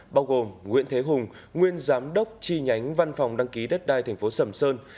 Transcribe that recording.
bao gồm nguyễn thế hùng nguyên giám đốc chi nhánh văn phòng đăng ký đất đai tp sầm sơn